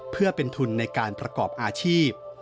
เพื่อเป็นทุนในการประกอบอาชีพ